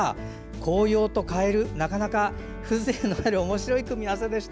紅葉とカエルなかなか風情のある、おもしろい組み合わせでした。